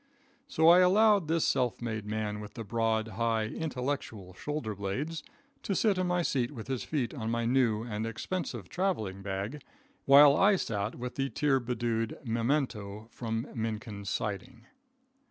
So I allowed this self made man with the broad, high, intellectual shoulder blades, to sit in my seat with his feet on my new and expensive traveling bag, while I sat with the tear bedewed memento from Minkin's Siding.